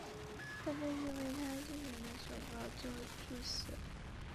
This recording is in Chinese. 地震预警系统必须首先侦测确定一个破坏性的地震后才能发布有用的地震预警信息。